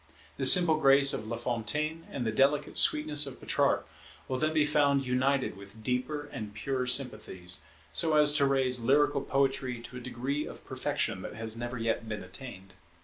The simple grace of Lafontaine and the delicate sweetness of Petrarch will then be found united with deeper and purer sympathies, so as to raise lyrical poetry to a degree of perfection that has never yet been attained.